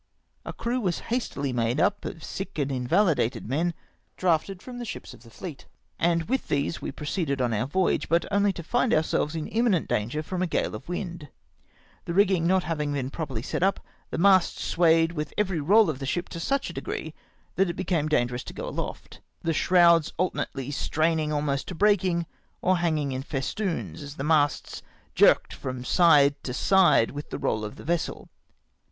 A crew was hastily made up of sick and invahded men drafted from the ships of the fleet, and with these we proceeded on our voyage, but only to find ourselves in imminent danger from a gale of wind. The rigging 90 BUENIXGr OF THE QUEEN CHARLOTTE. not having been properly set up, tlie masts swayed with every roll of the ship to such a degree that it became dangerous to go aloft ; the shrouds alternately straining almost to breakmg, or hanging in festoons, as the masts jerked from side to side ^vith the roll of the vessel.